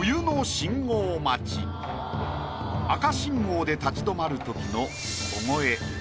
赤信号で立ち止まるときの。